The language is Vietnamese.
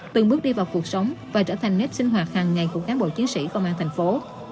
từng bước đi vào cuộc sống và trở thành nét sinh hoạt hàng ngày của cán bộ chiến sĩ công an thành phố